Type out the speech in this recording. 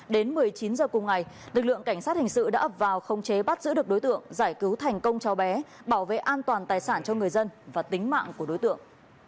đến một mươi chín h cùng ngày lực lượng cảnh sát hình sự đã ập vào không chế bắt giữ được đối tượng giải cứu thành công cháu bé bảo vệ an toàn tài sản cho người dân và tính mạng của đối tượng